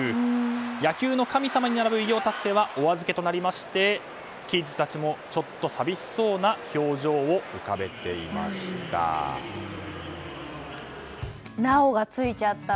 野球の神様に並ぶ偉業達成はお預けとなりましてキッズたちもちょっと寂しそうな表情を浮かべていました。